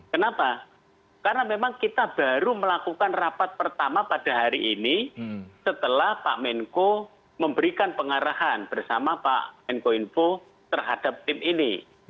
kenapa karena memang kita baru melakukan rapat pertama pada hari ini setelah pak menko memberikan pengarahan bersama pak menko info terhadap tim ini